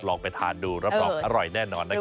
ไปทานดูรับรองอร่อยแน่นอนนะครับ